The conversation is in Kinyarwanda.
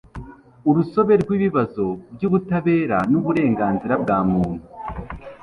urusobe rw'ibibazo by'ubutabera n' uburenganzira bwa muntu